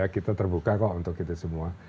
kita terbuka kok untuk itu semua